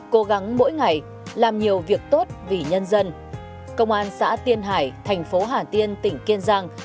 cố gắng mỗi ngày làm nhiều việc tốt vì nhân dân công an xã tiên hải thành phố hà tiên tỉnh kiên giang